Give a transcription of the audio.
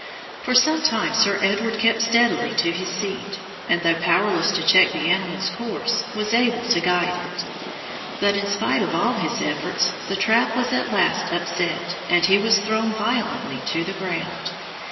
For some time Sir Edward kept steadily to his seat, and though powerless to check the animal's course was able to guide it; but in spite of all his efforts the trap was at last upset, and he was thrown violently to the ground.